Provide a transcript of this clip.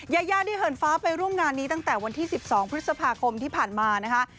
ยายาได้เหินฟ้าไปร่วมงานนี้ตั้งแต่วันที่๑๒พฤษภาคมที่ผ่านมานะคะ